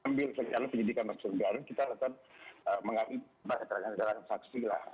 sambil segala penyelidikan masyarakat kita akan mengambil para saksi lah